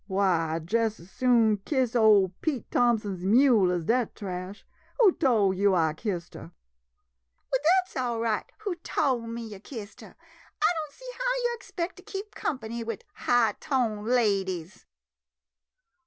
Why, I 'd jes' as soon kiss ol' Pete Thompson's mule as dat trash. Who tol' yo' I kissed her? Melindy Well, dat 's all right who tol* me yo' kissed her. I don' see how yo' expect to keep company w r id high toned ladies!